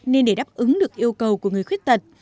nên để đáp ứng được yêu cầu của người khuyết tật